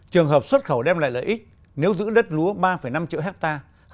trường hợp xuất khẩu đem lại lợi ích nếu giữ đất lúa ba năm triệu hectare